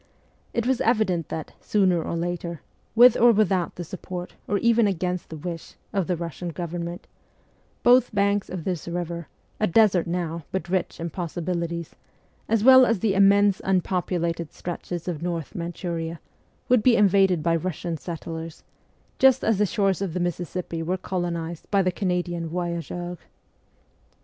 It was evident that, sooner or later with or without the support, or even against the wish, of the Russian Government both banks of this river, a desert now but rich in possibilities, as well as the immense unpopulated stretches of North Manchuria, would be invaded by Russian settlers, just as the shores of the Mississippi were colonized by the Canadian voyageurs.